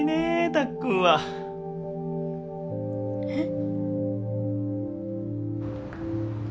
たっくんは。えっ？